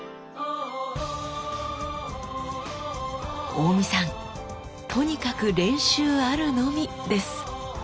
大見さんとにかく練習あるのみです！